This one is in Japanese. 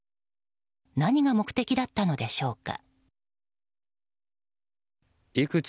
何が目的だったのでしょうか。